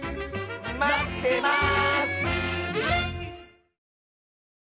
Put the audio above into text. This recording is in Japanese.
まってます！